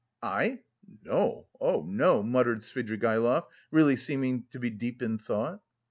"I... No, oh, no," muttered Svidrigaïlov really seeming to be deep in thought.